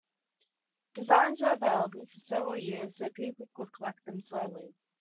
Designs were available for several years so people could collect them slowly.